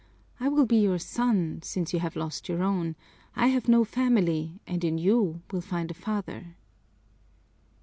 I will be your son, since you have lost your own; I have no family, and in you will find a father."